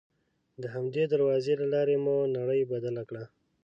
د همدې دروازې له لارې مو نړۍ بدله کړه.